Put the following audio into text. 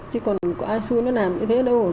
chứ còn có ai xui nó làm như thế đâu rồi con